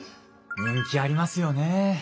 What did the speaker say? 人気ありますよね。